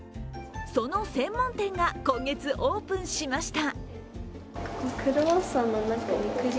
その専門店が今月オープンしました。